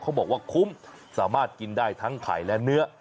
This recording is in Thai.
เขาบอกว่าคุ้มสามารถกินได้ทั้งไข่และเนื้อ